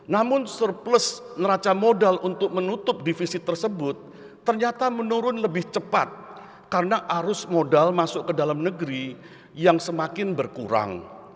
namun surplus neraca modal untuk menutup defisit tersebut ternyata menurun lebih cepat karena arus modal masuk ke dalam negeri yang semakin berkurang